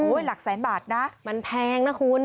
หลักแสนบาทนะมันแพงนะคุณ